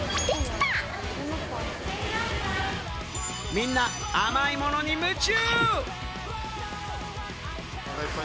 みんな甘いものに夢中！